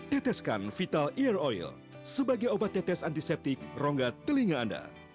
teteskan vital ear oil sebagai obat tetes antiseptik rongga telinga anda